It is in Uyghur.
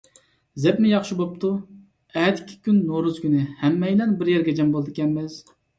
زەپمۇ ياخشى بوپتۇ، ئەتىكى كۈن نورۇز كۈنى، ھەممەيلەن بىر يەرگە جەم بولىدىكەنمىز.